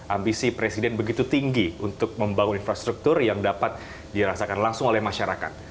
ambisi presiden begitu tinggi untuk membangun infrastruktur yang dapat dirasakan langsung oleh masyarakat